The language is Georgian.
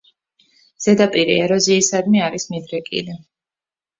ზედაპირი ეროზიისადმი არის მიდრეკილი.